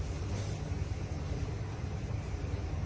สวัสดีครับ